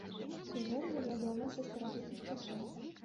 Сузор'е вядомае са старажытных часоў.